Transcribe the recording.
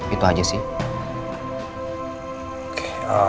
itu aja sih